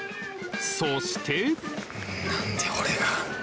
そしてなんで俺が。